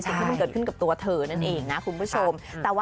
สิ่งที่มันเกิดขึ้นกับตัวเธอนั่นเองนะคุณผู้ชม